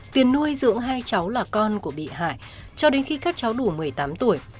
tiền nuôi dưỡng hai cháu là con của bị hại cho đến khi các cháu đủ một mươi tám tuổi